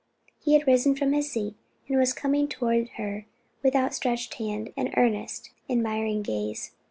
He had risen from his seat, and was coming toward her with outstretched hand and earnest, admiring gaze.